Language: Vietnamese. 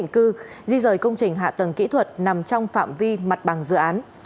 công tác xây dựng khu tái điện cư di rời công trình hạ tầng kỹ thuật nằm trong phạm vi mặt bằng dự án